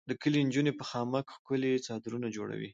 د کلي انجونې په خامک ښکلي څادرونه جوړوي.